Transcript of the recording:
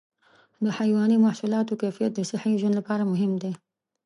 د حيواني محصولاتو کیفیت د صحي ژوند لپاره مهم دی.